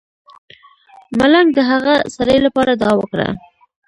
ملنګ د هغه سړی لپاره دعا وکړه.